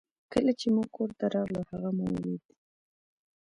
کله چې موږ کور ته راغلو هغه مو ولید